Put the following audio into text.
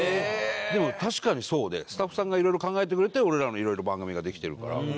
でも確かにそうでスタッフさんが色々考えてくれて俺らの色々番組ができてるから。